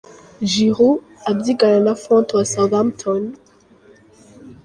Giroud abyigana na Fonte wa Southampton.